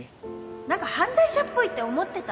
何か犯罪者っぽいって思ってた